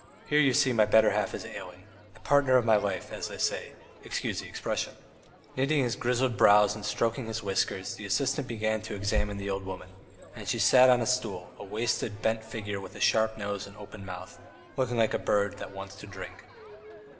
Here you see my better half is ailing, the partner of my life, as they say, excuse the expression. ..." Knitting his grizzled brows and stroking his whiskers the assistant began to examine the old woman, and she sat on a stool, a wasted, bent figure with a sharp nose and open mouth, looking like a bird that wants to drink.